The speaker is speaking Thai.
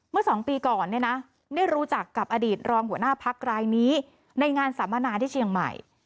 เมื่อ๒ปีก่อนเนี่ยนะได้รู้จักกับอดีตรองหัวหน้าพักรายนี้ในงานสัมมนาที่เชียงใหม่